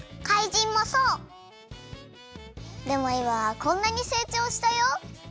でもいまはこんなにせいちょうしたよ。